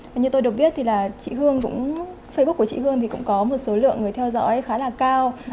và như tôi được biết thì là facebook của chị hương thì cũng có một số lượng người theo dõi khá là cao